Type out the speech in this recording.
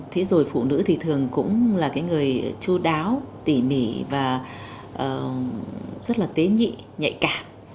thế rồi phụ nữ thì thường cũng là cái người chú đáo tỉ mỉ và rất là tế nhị nhạy cảm